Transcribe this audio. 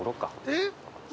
えっ！？